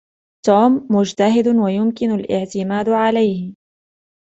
توم مجتهد ويمكن الإعتماد عليه.